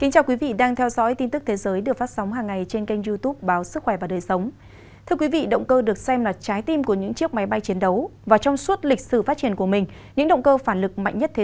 các bạn hãy đăng ký kênh để ủng hộ kênh của chúng mình nhé